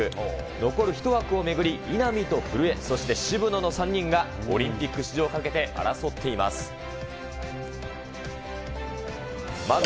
残る１枠を巡り、稲見と古江、そして渋野の３人が、オリンピック出場をかけて争っています。